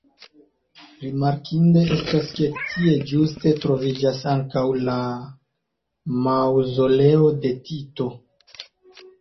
Rimarkinde estas ke tie ĝuste troviĝas ankaŭ la maŭzoleo de Tito.